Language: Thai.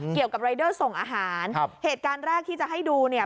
เกี่ยวกับรายเดอร์ส่งอาหารครับเหตุการณ์แรกที่จะให้ดูเนี่ย